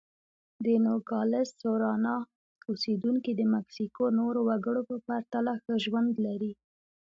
د نوګالس سونورا اوسېدونکي د مکسیکو نورو وګړو په پرتله ښه ژوند لري.